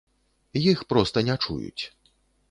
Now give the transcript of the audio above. Іх проста не чуюць.